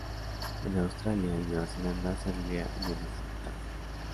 En Australia y Nueva Zelanda saldría un día más tarde.